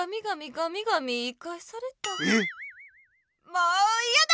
もういやだ！